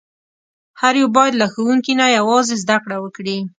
هر یو باید له ښوونکي نه یوازې زده کړه وکړي.